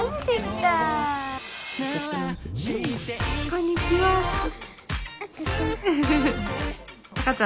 こんにちはって。